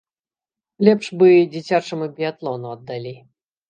Лепш бы дзіцячаму біятлону аддалі.